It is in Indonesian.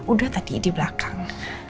udah tadi di belakang